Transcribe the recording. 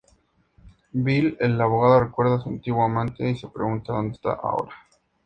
Bill, el abogado, recuerda a su antiguo amante y se pregunta dónde está ahora.